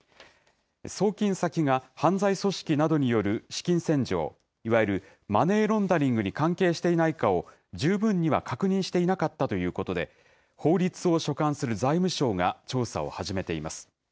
送金先が犯罪組織などによる資金洗浄、いわゆるマネーロンダリングに関係していないかを十分には確認していなかったということで、法律を所管する財務省が調査を始めています。